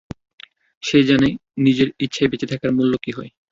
সে যানে নিজের ইচ্ছায় বেঁচে থাকার মূল্যে কি হয়।